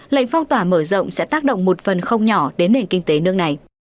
lệnh phong tỏa mở rộng sẽ tác động một phần không nhỏ đến nền kinh tế nước này